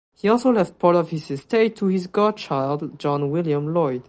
He also left part of his estate to his godchild John William Lloyd.